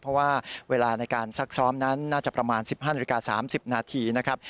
เพราะว่าเวลาในการซักซ้อมนั้นน่าจะประมาณ๑๕นาฬิกา๓๐นาทีนะครับ